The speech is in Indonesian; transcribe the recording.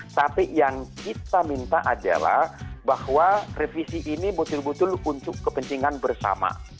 tapi yang kita minta adalah bahwa revisi ini betul betul untuk kepentingan bersama